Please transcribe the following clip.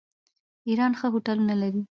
ایران ښه هوټلونه لري.